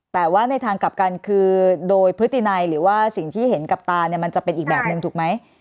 แต่ว่าในทางกลับกันคือโดยพฤตินัยหรือว่าสิ่งที่เห็นกับตาเนี่ยมันจะเป็นอีกแบบหนึ่งถูกไหม